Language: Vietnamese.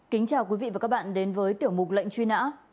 kính chào quý vị và các bạn đến với tiểu mục lệnh truy nã